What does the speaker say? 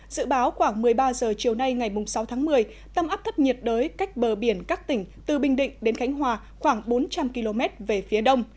dự báo khoảng một mươi ba h chiều nay ngày sáu tháng một mươi tâm áp thấp nhiệt đới cách bờ biển các tỉnh từ bình định đến khánh hòa khoảng bốn trăm linh km về phía đông